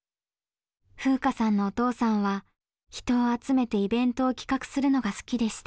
風夏さんのお父さんは人を集めてイベントを企画するのが好きでした。